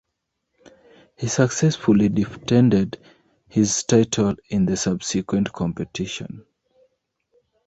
He successfully defended his title in the subsequent competition.